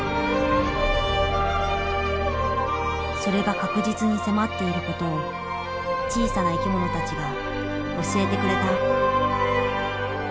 それが確実に迫っていることを小さな生き物たちが教えてくれた。